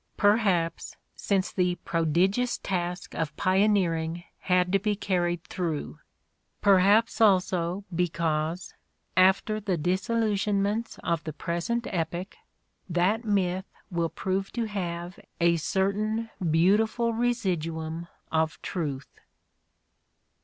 Perhaps, since the prodigious task 72 The Ordeal of Mark Twain of pioneering had to be carried through; perhaps also because, after the disillusionments of the present epoch, that myth will prove to have a certain beautiful resid uum of truth.